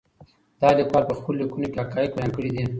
دا ليکوال په خپلو ليکنو کي حقايق بيان کړي دي.